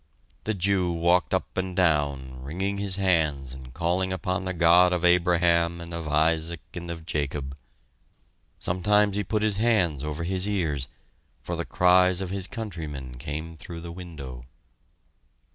The Jew walked up and down, wringing his hands and calling upon the God of Abraham and of Isaac and of Jacob! Sometimes he put his hands over his ears... for the cries of his countrymen came through the window.